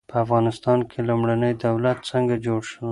په افغانستان کې لومړنی دولت څنګه جوړ سو؟